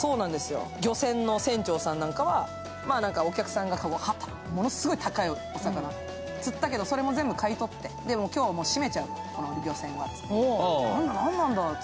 漁船の船長さんなんかはお客さんがハタ、ものすごい高いお魚を釣ったけど、それを全部買い取って、今日はしめちゃう、この漁船は。